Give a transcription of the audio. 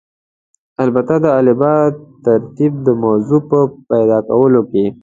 البته د الفبا ترتیب د موضوع په پیدا کولو کې.